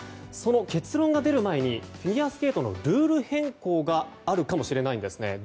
その結論が出る前にフィギュアスケートのルール変更があるかもしれないんですね。